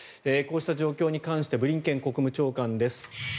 こうした状況に関してブリンケン国務長官です。